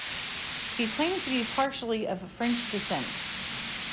He claimed to be partially of French descent.